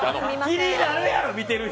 気になるやろ、見てる人！